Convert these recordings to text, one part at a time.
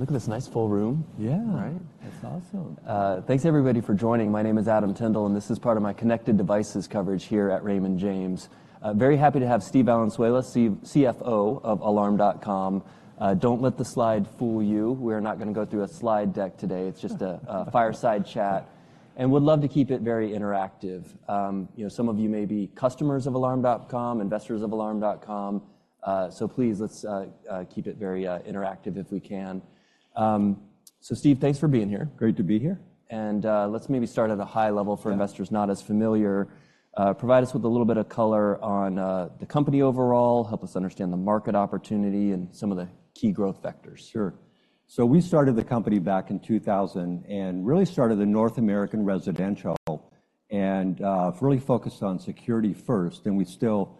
Look at this nice full room. Yeah. Right? That's awesome. Thanks everybody for joining. My name is Adam Tindle, and this is part of my connected devices coverage here at Raymond James. Very happy to have Steve Valenzuela, CFO of Alarm.com. Don't let the slide fool you, we're not gonna go through a slide deck today. It's just a fireside chat, and would love to keep it very interactive. You know, some of you may be customers of Alarm.com, investors of Alarm.com. So please, let's keep it very interactive if we can. So Steve, thanks for being here. Great to be here. Let's maybe start at a high level- Yeah... for investors not as familiar. Provide us with a little bit of color on the company overall, help us understand the market opportunity and some of the key growth vectors. Sure. So we started the company back in 2000, and really started in North America residential, and really focused on security first, and we still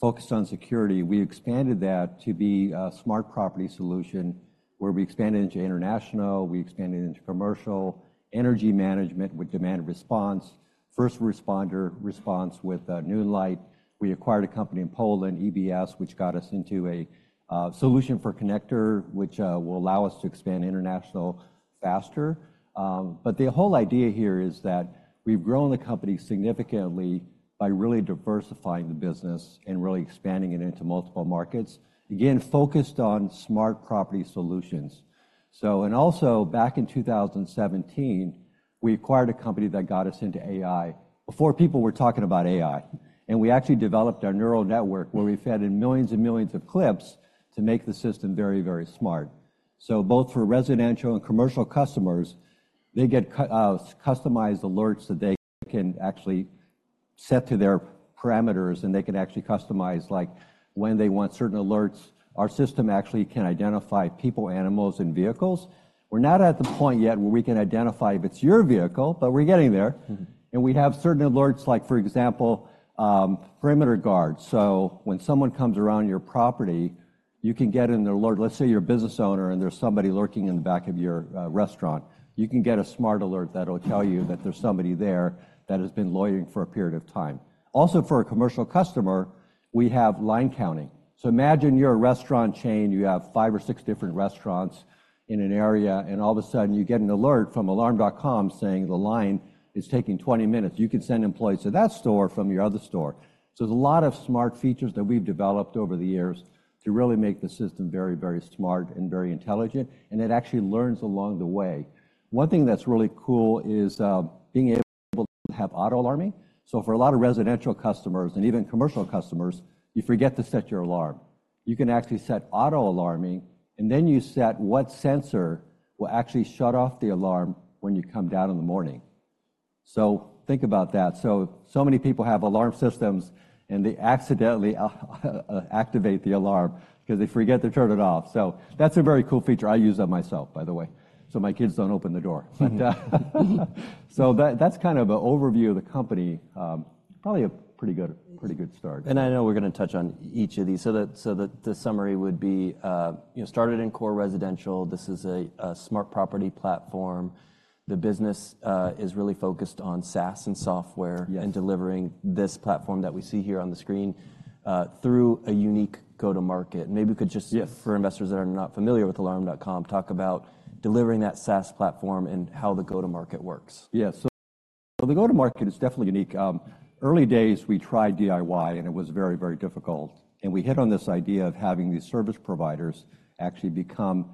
focused on security. We expanded that to be a smart property solution, where we expanded into international, we expanded into commercial, energy management with demand response, first responder response with Noonlight. We acquired a company in Poland, EBS, which got us into a solution for connector, which will allow us to expand international faster. But the whole idea here is that we've grown the company significantly by really diversifying the business and really expanding it into multiple markets. Again, focused on smart property solutions. So, and also back in 2017, we acquired a company that got us into AI, before people were talking about AI. And we actually developed our neural network, where we fed in millions and millions of clips to make the system very, very smart. So both for residential and commercial customers, they get customized alerts that they can actually set to their parameters, and they can actually customize, like when they want certain alerts. Our system actually can identify people, animals, and vehicles. We're not at the point yet where we can identify if it's your vehicle, but we're getting there. Mm-hmm. We have certain alerts, like for example, Perimeter Guard. So when someone comes around your property, you can get an alert. Let's say you're a business owner, and there's somebody lurking in the back of your restaurant, you can get a smart alert that'll tell you that there's somebody there that has been loitering for a period of time. Also, for a commercial customer, we have line counting. So imagine you're a restaurant chain, you have five or six different restaurants in an area, and all of a sudden you get an alert from Alarm.com saying the line is taking 20 minutes. You could send employees to that store from your other store. So there's a lot of smart features that we've developed over the years to really make the system very, very smart and very intelligent, and it actually learns along the way. One thing that's really cool is being able to have auto alarming. So for a lot of residential customers and even commercial customers, you forget to set your alarm. You can actually set auto alarming, and then you set what sensor will actually shut off the alarm when you come down in the morning. So think about that. So many people have alarm systems, and they accidentally activate the alarm because they forget to turn it off. So that's a very cool feature. I use that myself, by the way, so my kids don't open the door. But, so that, that's kind of an overview of the company. Probably a pretty good, pretty good start. And I know we're gonna touch on each of these. So the summary would be, you know, started in core residential. This is a smart property platform. The business is really focused on SaaS and software Yes and delivering this platform that we see here on the screen, through a unique go-to-market. Maybe you could just- Yes for investors that are not familiar with Alarm.com, talk about delivering that SaaS platform and how the go-to-market works. Yeah. So, the go-to-market is definitely unique. Early days, we tried DIY, and it was very, very difficult, and we hit on this idea of having these service providers actually become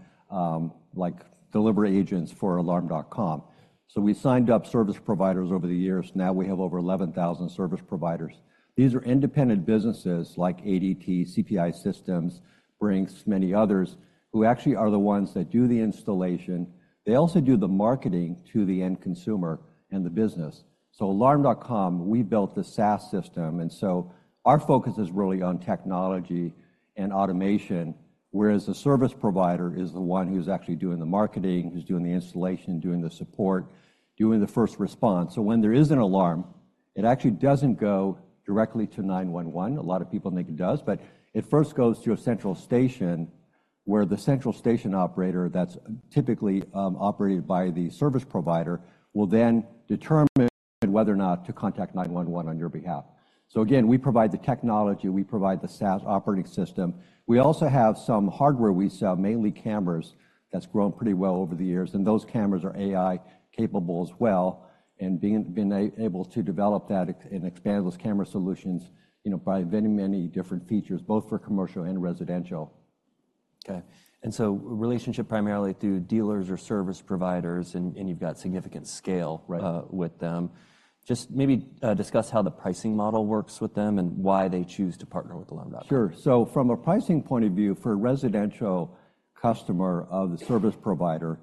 like delivery agents for Alarm.com. So we signed up service providers over the years. Now we have over 11,000 service providers. These are independent businesses like ADT, CPI Systems, Brinks, many others, who actually are the ones that do the installation. They also do the marketing to the end consumer and the business. So Alarm.com, we built the SaaS system, and so our focus is really on technology and automation, whereas the service provider is the one who's actually doing the marketing, who's doing the installation, doing the support, doing the first response. So when there is an alarm, it actually doesn't go directly to 911. A lot of people think it does, but it first goes to a central station, where the central station operator, that's typically operated by the service provider, will then determine whether or not to contact 911 on your behalf. So again, we provide the technology, we provide the SaaS operating system. We also have some hardware we sell, mainly cameras, that's grown pretty well over the years, and those cameras are AI-capable as well. And being able to develop that and expand those camera solutions, you know, by many, many different features, both for commercial and residential. Okay. And so, relationship primarily through dealers or service providers, and you've got significant scale- Right... with them. Just maybe, discuss how the pricing model works with them and why they choose to partner with Alarm.com. Sure. So from a pricing point of view, for a residential customer of the service provider,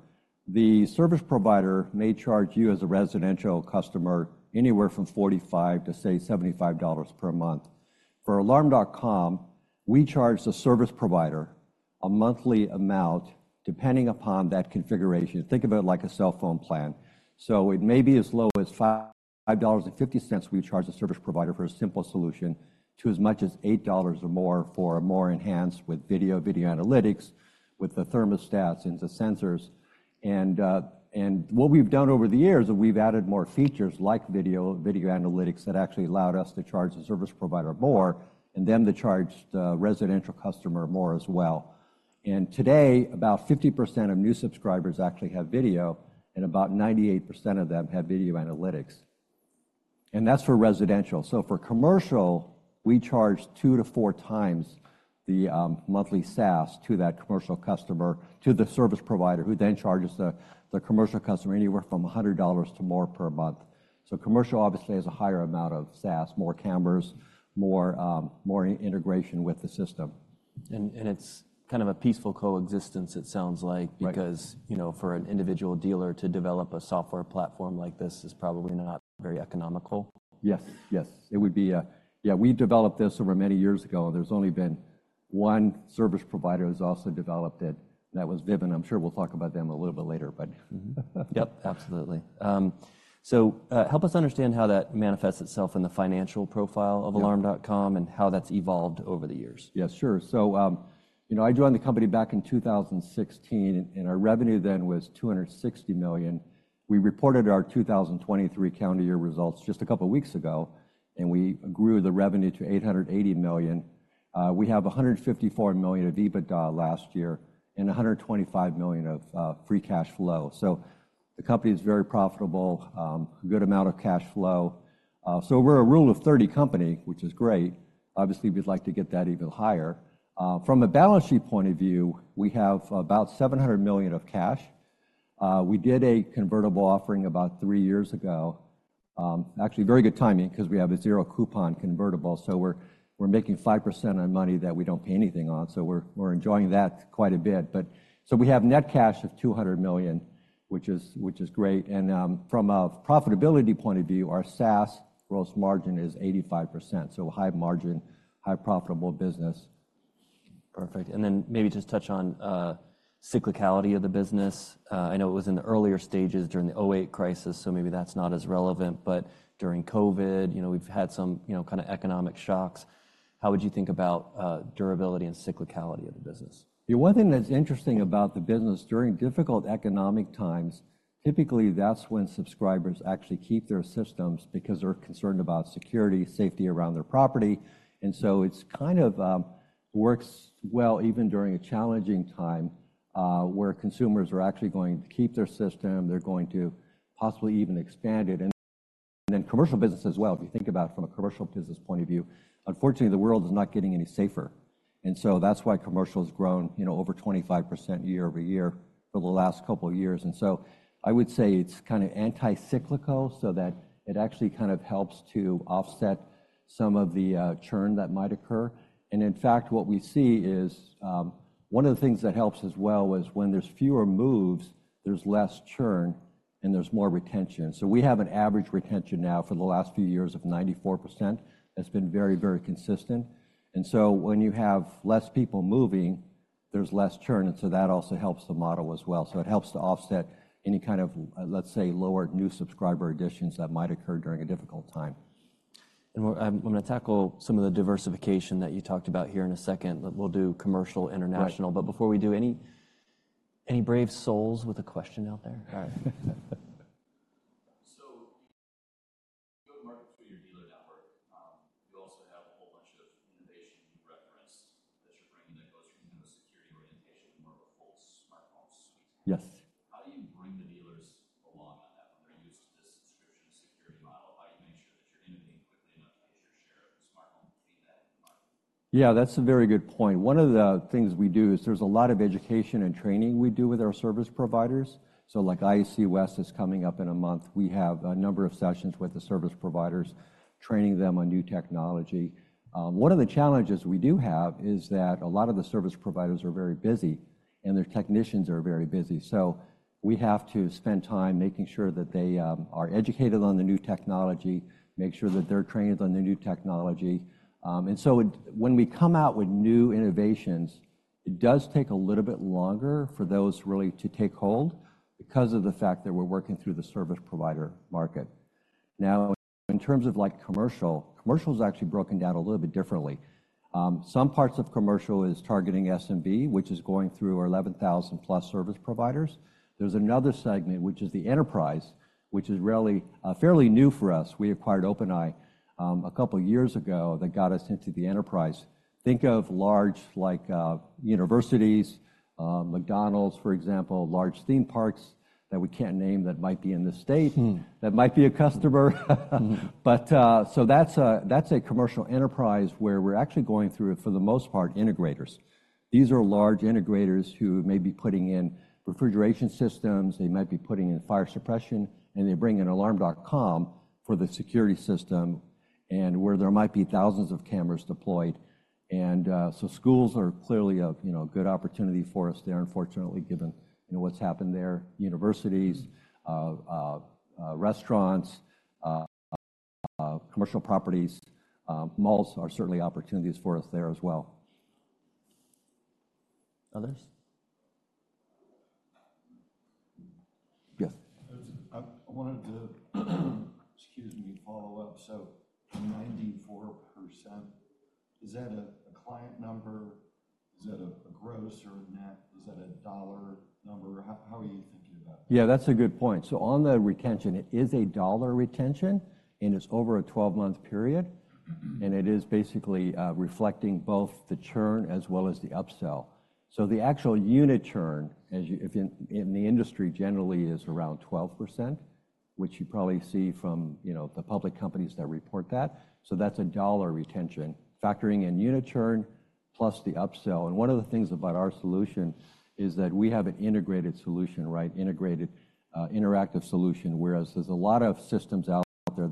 the service provider may charge you, as a residential customer, anywhere from $45 to, say, $75 per month. For Alarm.com, we charge the service provider a monthly amount, depending upon that configuration. Think of it like a cell phone plan. So it may be as low as $5.50 we charge the service provider for a simple solution, to as much as $8 or more for a more enhanced, with video, video analytics, with the thermostats and the sensors. And, and what we've done over the years is we've added more features like video, video analytics, that actually allowed us to charge the service provider more, and then they charged, residential customer more as well. Today, about 50% of new subscribers actually have video, and about 98% of them have video analytics. That's for residential. For commercial, we charge 2-4 times the monthly SaaS to that commercial customer, to the service provider, who then charges the commercial customer anywhere from $100 to more per month. Commercial obviously has a higher amount of SaaS, more cameras, more integration with the system. And it's kind of a peaceful coexistence, it sounds like. Right. Because, you know, for an individual dealer to develop a software platform like this is probably not very economical. Yes, yes. It would be a... Yeah, we developed this over many years ago. There's only been one service provider who's also developed it, and that was Vivint. I'm sure we'll talk about them a little bit later, but Mm-hmm. Yep, absolutely. So, help us understand how that manifests itself in the financial profile of Alarm.com? Yeah... and how that's evolved over the years. Yeah, sure. So, you know, I joined the company back in 2016, and our revenue then was $260 million. We reported our 2023 calendar year results just a couple of weeks ago, and we grew the revenue to $880 million. We have $154 million of EBITDA last year and $125 million of free cash flow. So the company is very profitable, good amount of cash flow. So we're a rule of thirty company, which is great. Obviously, we'd like to get that even higher. From a balance sheet point of view, we have about $700 million of cash. We did a convertible offering about three years ago. Actually, very good timing 'cause we have a zero coupon convertible, so we're making 5% on money that we don't pay anything on. So we're enjoying that quite a bit. But so we have net cash of $200 million, which is great. And from a profitability point of view, our SaaS gross margin is 85%, so a high margin, high profitable business. Perfect. And then maybe just touch on, cyclicality of the business. I know it was in the earlier stages during the 2008 crisis, so maybe that's not as relevant. But during COVID, you know, we've had some, you know, kinda economic shocks. How would you think about, durability and cyclicality of the business? Yeah, one thing that's interesting about the business, during difficult economic times, typically, that's when subscribers actually keep their systems because they're concerned about security, safety around their property. And so it's kind of works well even during a challenging time, where consumers are actually going to keep their system, they're going to possibly even expand it. And in commercial business as well, if you think about it from a commercial business point of view, unfortunately, the world is not getting any safer. And so that's why commercial's grown, you know, over 25% year-over-year for the last couple of years. And so I would say it's kinda anti-cyclical, so that it actually kind of helps to offset some of the churn that might occur. In fact, what we see is, one of the things that helps as well is when there's fewer moves, there's less churn and there's more retention. So we have an average retention now for the last few years of 94%. It's been very, very consistent. And so when you have less people moving, there's less churn, and so that also helps the model as well. So it helps to offset any kind of, let's say, lower new subscriber additions that might occur during a difficult time. And we're, I'm gonna tackle some of the diversification that you talked about here in a second, but we'll do commercial, international. Right. Before we do, any brave souls with a question out there? So you go to market through your dealer network. You also have a whole bunch of innovation you referenced that you're bringing that goes from kind of a security orientation to more of a full smartphone suite. Yes. How do you bring the dealers along on that when they're used to this subscription security model? How do you make sure that you're innovating quickly enough to get your share of the smartphone feedback in the market? Yeah, that's a very good point. One of the things we do is there's a lot of education and training we do with our service providers. So, like, IEC West is coming up in a month. We have a number of sessions with the service providers, training them on new technology. One of the challenges we do have is that a lot of the service providers are very busy, and their technicians are very busy. So we have to spend time making sure that they are educated on the new technology, make sure that they're trained on the new technology. And so when we come out with new innovations, it does take a little bit longer for those really to take hold because of the fact that we're working through the service provider market. Now, in terms of like commercial, commercial is actually broken down a little bit differently. Some parts of commercial is targeting SMB, which is going through our 11,000+ service providers. There's another segment, which is the enterprise, which is really fairly new for us. We acquired OpenEye a couple of years ago that got us into the enterprise. Think of large, like universities, McDonald's, for example, large theme parks that we can't name, that might be in this state- Hmm... that might be a customer. Mm-hmm. That's a commercial enterprise where we're actually going through, for the most part, integrators. These are large integrators who may be putting in refrigeration systems, they might be putting in fire suppression, and they bring in Alarm.com for the security system and where there might be thousands of cameras deployed. Schools are clearly a you know good opportunity for us there, unfortunately, given you know what's happened there. Universities, restaurants, commercial properties, malls are certainly opportunities for us there as well. Others? Yes. I wanted to, excuse me, follow up. So 94%, is that a client number? Is that a gross or a net? Is that a dollar number? How are you thinking about it? Yeah, that's a good point. So on the retention, it is a dollar retention, and it's over a 12-month period. Mm-hmm. It is basically reflecting both the churn as well as the upsell. So the actual unit churn as you know in the industry generally is around 12%, which you probably see from, you know, the public companies that report that. So that's a dollar retention, factoring in unit churn, plus the upsell. And one of the things about our solution is that we have an integrated solution, right? Integrated interactive solution. Whereas there's a lot of systems out there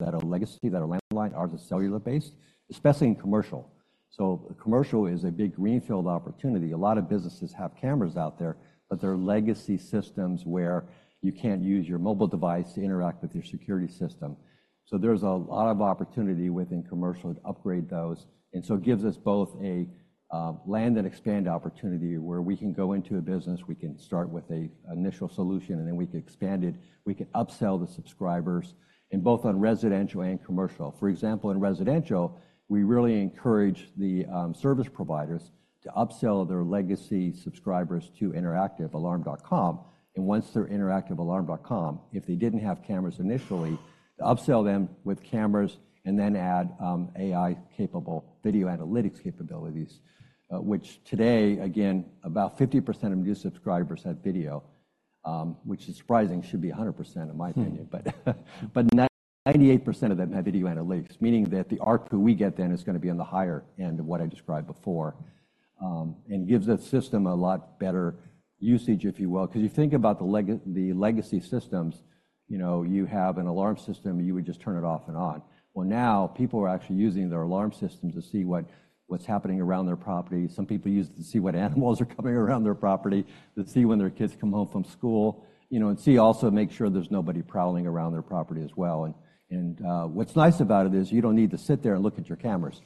that are legacy, that are landline, ours are cellular-based, especially in commercial. So commercial is a big greenfield opportunity. A lot of businesses have cameras out there, but they're legacy systems where you can't use your mobile device to interact with your security system. So there's a lot of opportunity within commercial to upgrade those, and so it gives us both a land and expand opportunity, where we can go into a business, we can start with a initial solution, and then we can expand it. We can upsell the subscribers in both on residential and commercial. For example, in residential, we really encourage the service providers to upsell their legacy subscribers to interactivealarm.com, and once they're interactivealarm.com, if they didn't have cameras initially, upsell them with cameras and then add AI-capable video analytics capabilities. Which today, again, about 50% of new subscribers have video, which is surprising, should be 100% in my opinion. Mm. But 98% of them have video analytics, meaning that the ARPU we get then is gonna be on the higher end of what I described before. And gives that system a lot better usage, if you will, 'cause you think about the legacy systems, you know, you have an alarm system, you would just turn it off and on. Well, now, people are actually using their alarm system to see what, what's happening around their property. Some people use it to see what animals are coming around their property, to see when their kids come home from school, you know, and see also, make sure there's nobody prowling around their property as well. And what's nice about it is, you don't need to sit there and look at your cameras.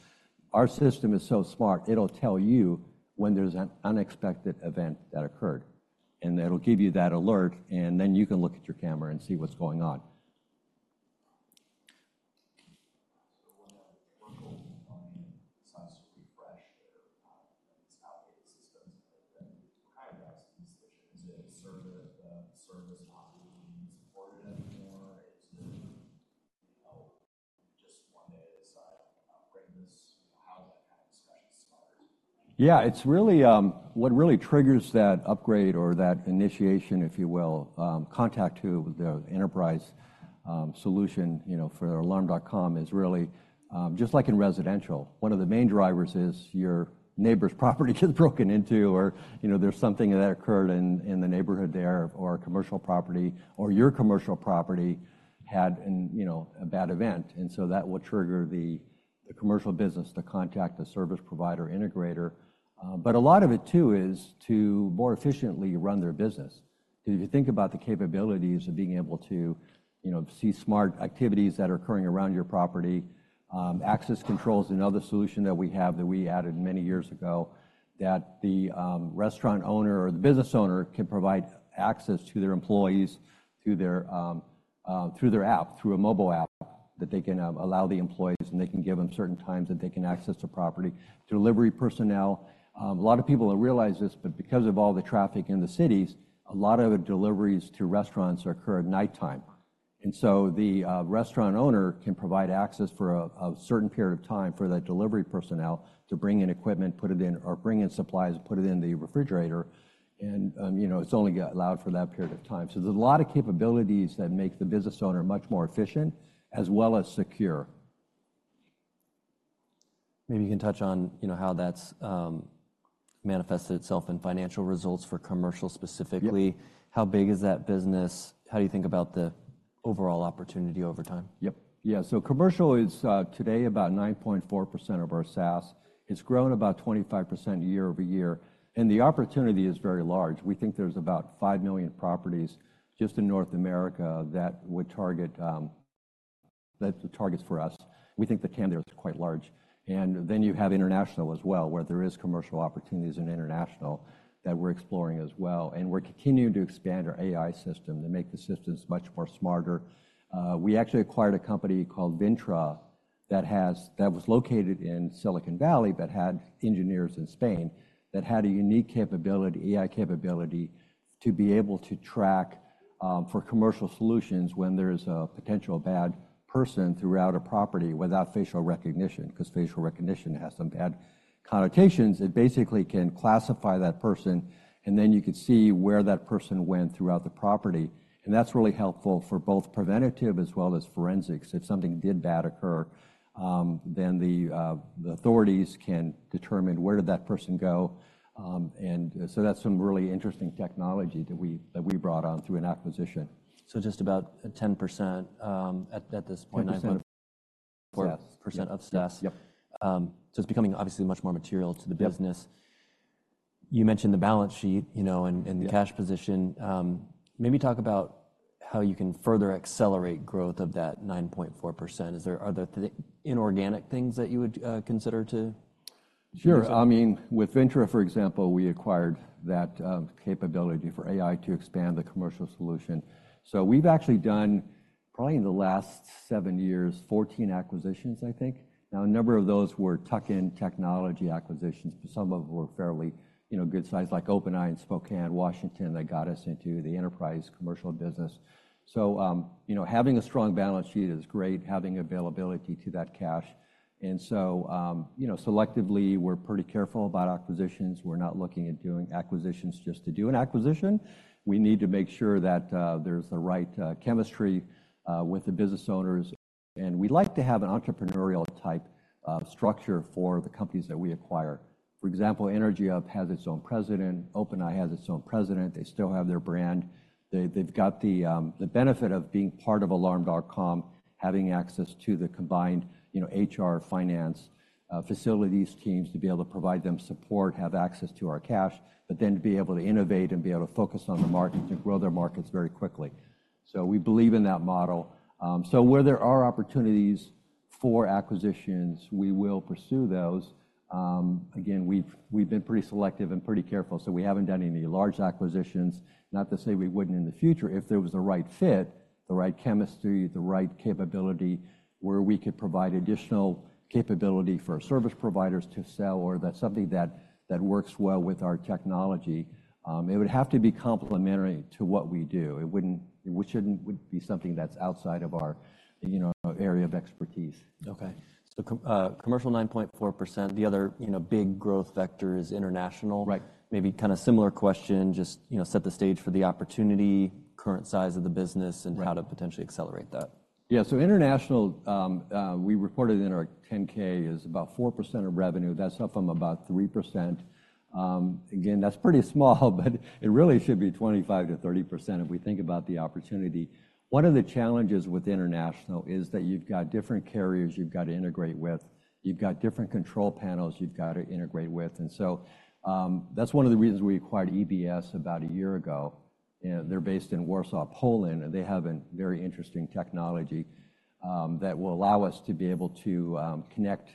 Our system is so smart, it'll tell you when there's an unexpected event that occurred, and it'll give you that alert, and then you can look at your camera and see what's going on. So when a commercial client decides to refresh their outdated systems, then what kind of drives decision? Is it a service not being supported anymore? Is it, oh, just one day decide, "I'm gonna upgrade this," how that kind of discussion starts? Yeah, it's really... What really triggers that upgrade or that initiation, if you will, contact to the enterprise solution, you know, for Alarm.com is really just like in residential. One of the main drivers is your neighbor's property is broken into, or, you know, there's something that occurred in the neighborhood there, or a commercial property, or your commercial property had, you know, a bad event. And so that will trigger the commercial business to contact the service provider integrator. But a lot of it, too, is to more efficiently run their business. 'Cause if you think about the capabilities of being able to, you know, see smart activities that are occurring around your property, access control is another solution that we have that we added many years ago, that the restaurant owner or the business owner can provide access to their employees through their app, through a mobile app, that they can allow the employees, and they can give them certain times that they can access the property. Delivery personnel, a lot of people don't realize this, but because of all the traffic in the cities, a lot of the deliveries to restaurants occur at nighttime. So the restaurant owner can provide access for a certain period of time for that delivery personnel to bring in equipment, put it in, or bring in supplies and put it in the refrigerator. You know, it's only allowed for that period of time. There's a lot of capabilities that make the business owner much more efficient, as well as secure. Maybe you can touch on, you know, how that's manifested itself in financial results for commercial specifically. Yep. How big is that business? How do you think about the overall opportunity over time? Yep. Yeah, so commercial is today about 9.4% of our SaaS. It's grown about 25% year-over-year, and the opportunity is very large. We think there's about 5 million properties just in North America that would target. That's the targets for us. We think the TAM there is quite large. And then you have international as well, where there is commercial opportunities in international that we're exploring as well, and we're continuing to expand our AI system to make the systems much more smarter. We actually acquired a company called Vintra that was located in Silicon Valley, but had engineers in Spain, that had a unique capability, AI capability, to be able to track for commercial solutions when there's a potential bad person throughout a property without facial recognition, 'cause facial recognition has some bad connotations. It basically can classify that person, and then you can see where that person went throughout the property, and that's really helpful for both preventative as well as forensics. If something did bad occur, then the authorities can determine where did that person go. And so that's some really interesting technology that we brought on through an acquisition. Just about 10% at this point- Ten percent. -% of SaaS? Yep. It's becoming obviously much more material to the business. Yep. You mentioned the balance sheet, you know, and- Yep... and the cash position. Maybe talk about how you can further accelerate growth of that 9.4%. Are there inorganic things that you would consider to Sure. I mean, with Vintra, for example, we acquired that capability for AI to expand the commercial solution. So we've actually done, probably in the last seven years, 14 acquisitions, I think. Now, a number of those were tuck-in technology acquisitions, but some of them were fairly, you know, good size, like OpenEye in Spokane, Washington, that got us into the enterprise commercial business. So, you know, having a strong balance sheet is great, having availability to that cash. And so, you know, selectively, we're pretty careful about acquisitions. We're not looking at doing acquisitions just to do an acquisition. We need to make sure that there's the right chemistry with the business owners, and we like to have an entrepreneurial type structure for the companies that we acquire. For example, EnergyHub has its own president, OpenEye has its own president. They still have their brand. They, they've got the, the benefit of being part of Alarm.com, having access to the combined, you know, HR, finance, facilities, teams, to be able to provide them support, have access to our cash, but then to be able to innovate and be able to focus on the market and grow their markets very quickly. So we believe in that model. So where there are opportunities for acquisitions, we will pursue those. Again, we've, we've been pretty selective and pretty careful, so we haven't done any large acquisitions. Not to say we wouldn't in the future, if there was the right fit, the right chemistry, the right capability, where we could provide additional capability for our service providers to sell, or that's something that, that works well with our technology. It would have to be complementary to what we do. It wouldn't be something that's outside of our, you know, area of expertise. Okay. So commercial 9.4%, the other, you know, big growth vector is international. Right. Maybe kind of similar question, just, you know, set the stage for the opportunity, current size of the business- Right. and how to potentially accelerate that. Yeah, so international, we reported in our 10-K is about 4% of revenue. That's up from about 3%. Again, that's pretty small, but it really should be 25%-30% if we think about the opportunity. One of the challenges with international is that you've got different carriers you've got to integrate with. You've got different control panels you've got to integrate with. And so, that's one of the reasons we acquired EBS about a year ago. They're based in Warsaw, Poland, and they have a very interesting technology that will allow us to be able to connect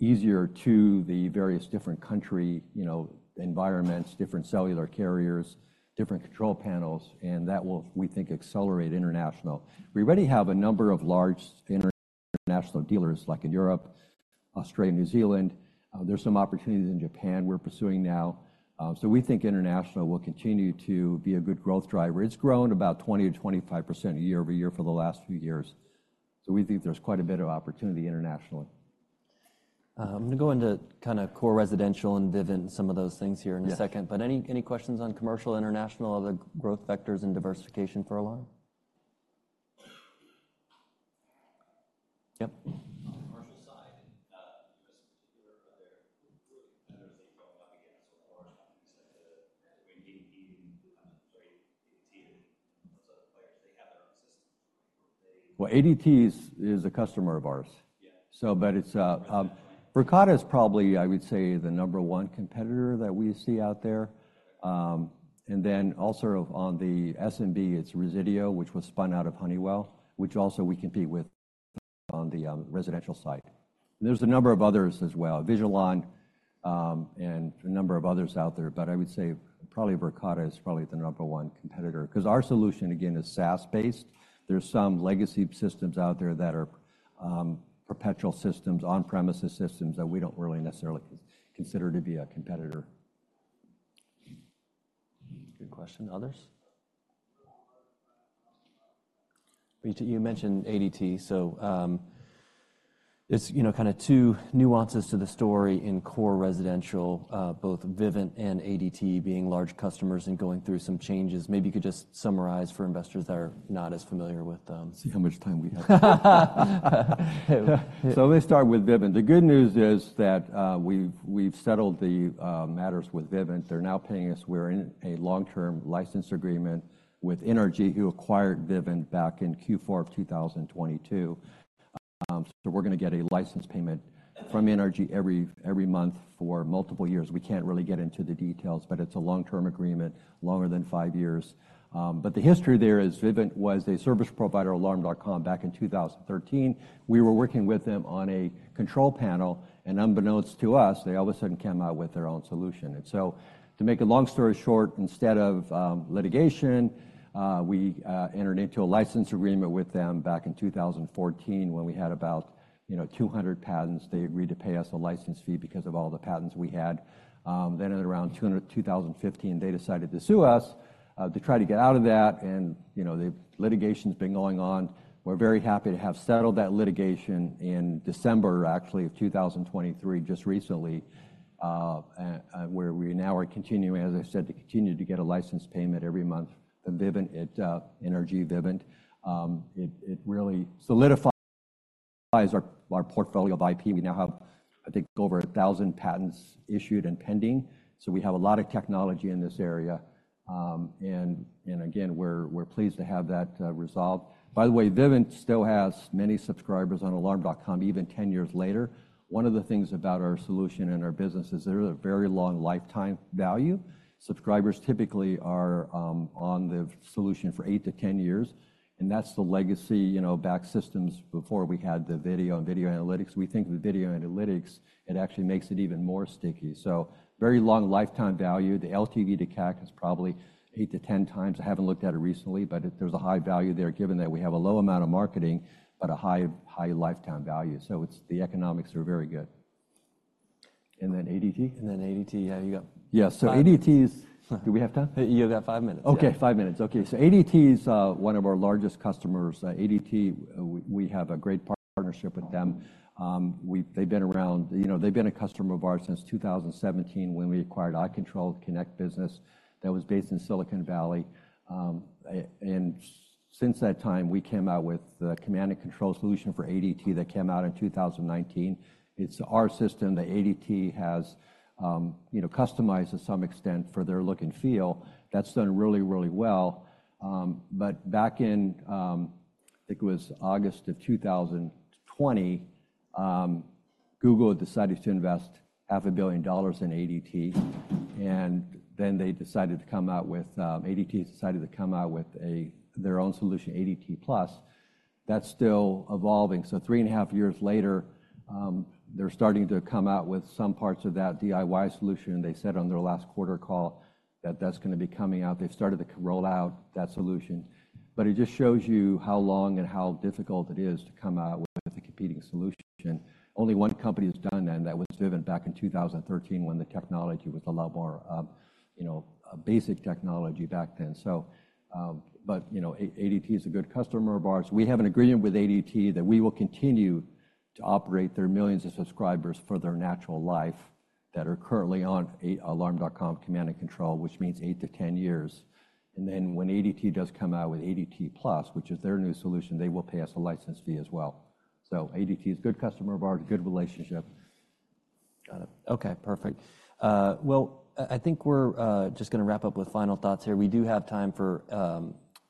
easier to the various different country, you know, environments, different cellular carriers, different control panels, and that will, we think, accelerate international. We already have a number of large international dealers, like in Europe, Australia, New Zealand. There's some opportunities in Japan we're pursuing now. So we think international will continue to be a good growth driver. It's grown about 20-25% year-over-year for the last few years. So we think there's quite a bit of opportunity internationally. I'm gonna go into kind of core residential and Vivint, some of those things here in a second. Yeah. But any questions on commercial, international, other growth vectors and diversification for Alarm? Yep. On the commercial side, in the U.S. in particular, are there competitors that you're coming up against or large companies like ADT and... Sorry, ADT and what other players, they have their own systems? Well, ADT is a customer of ours. Yeah. Verkada is probably, I would say, the number one competitor that we see out there. And then also on the SMB, it's Resideo, which was spun out of Honeywell, which also we compete with on the residential side. There's a number of others as well, Vintra, and a number of others out there, but I would say probably Verkada is probably the number one competitor. 'Cause our solution, again, is SaaS-based. There's some legacy systems out there that are perpetual systems, on-premises systems, that we don't really necessarily consider to be a competitor. Good question. Others? You mentioned ADT, so, it's, you know, kind of two nuances to the story in core residential, both Vivint and ADT being large customers and going through some changes. Maybe you could just summarize for investors that are not as familiar with them. See how much time we have. So let me start with Vivint. The good news is that we've settled the matters with Vivint. They're now paying us. We're in a long-term license agreement with Energy, who acquired Vivint back in Q4 of 2022. So we're gonna get a license payment from Energy every month for multiple years. We can't really get into the details, but it's a long-term agreement, longer than 5 years. But the history there is Vivint was a service provider, Alarm.com, back in 2013. We were working with them on a control panel, and unbeknownst to us, they all of a sudden came out with their own solution. To make a long story short, instead of litigation, we entered into a license agreement with them back in 2014, when we had about, you know, 200 patents. They agreed to pay us a license fee because of all the patents we had. Then at around 2015, they decided to sue us to try to get out of that, and, you know, the litigation's been going on. We're very happy to have settled that litigation in December, actually, of 2023, just recently, where we now are continuing, as I said, to continue to get a license payment every month from Vivint, at Energy Vivint. It really solidifies our portfolio of IP. We now have, I think, over 1,000 patents issued and pending, so we have a lot of technology in this area. And again, we're pleased to have that resolved. By the way, Vivint still has many subscribers on Alarm.com, even 10 years later. One of the things about our solution and our business is they're a very long lifetime value. Subscribers typically are on the solution for 8-10 years, and that's the legacy, you know, back systems before we had the video and video analytics. We think the video analytics, it actually makes it even more sticky. So very long lifetime value. The LTV to CAC is probably 8-10 times. I haven't looked at it recently, but it, there's a high value there, given that we have a low amount of marketing, but a high, high lifetime value. It's the economics are very good. Then ADT? ADT, yeah, you go. Yeah, so ADT is-- Do we have time? You got 5 minutes. Okay, five minutes. Okay. So ADT is one of our largest customers. ADT, we have a great partnership with them. They've been around, you know, they've been a customer of ours since 2017, when we acquired iControl Connect business that was based in Silicon Valley. And since that time, we came out with the Command and Control solution for ADT that came out in 2019. It's our system that ADT has, you know, customized to some extent for their look and feel. That's done really, really well. But back in, I think it was August of 2020, Google decided to invest $500 million in ADT, and then they decided to come out with ADT decided to come out with their own solution, ADT Plus. That's still evolving. So three and a half years later, they're starting to come out with some parts of that DIY solution, and they said on their last quarter call that that's gonna be coming out. They've started to roll out that solution. But it just shows you how long and how difficult it is to come out with a competing solution. Only one company has done that, and that was Vivint back in 2013, when the technology was a lot more, you know, basic technology back then. So, but, you know, ADT is a good customer of ours. We have an agreement with ADT that we will continue to operate their millions of subscribers for their natural life that are currently on Alarm.com command and control, which means 8-10 years. And then when ADT does come out with ADT Plus, which is their new solution, they will pay us a license fee as well. So ADT is a good customer of ours, a good relationship. Got it. Okay, perfect. Well, I think we're just gonna wrap up with final thoughts here. We do have time for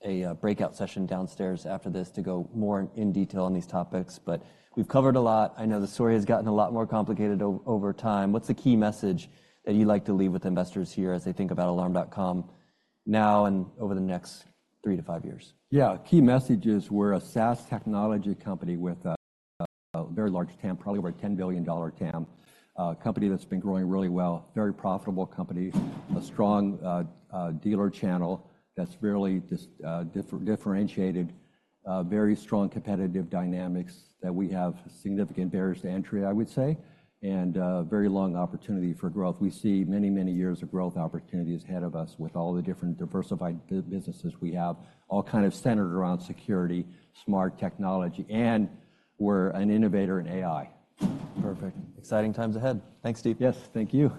a breakout session downstairs after this to go more in detail on these topics, but we've covered a lot. I know the story has gotten a lot more complicated over time. What's the key message that you'd like to leave with investors here as they think about Alarm.com now and over the next 3-5 years? Yeah. Key message is we're a SaaS technology company with a very large TAM, probably over a $10 billion TAM. A company that's been growing really well, very profitable company, a strong dealer channel that's fairly differentiated, very strong competitive dynamics that we have significant barriers to entry, I would say, and very long opportunity for growth. We see many, many years of growth opportunities ahead of us with all the different diversified businesses we have, all kind of centered around security, smart technology, and we're an innovator in AI. Perfect. Exciting times ahead. Thanks, Steve. Yes, thank you.